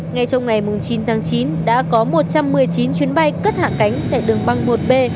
ngay trong ngày chín tháng chín đã có một trăm một mươi chín chuyến bay cất hạ cánh tại đường băng một b